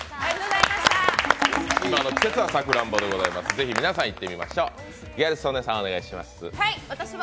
ぜひ皆さん、行ってみましょう。